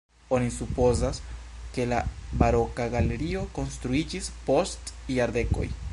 Oni supozas, ke la baroka galerio konstruiĝis post jardekoj.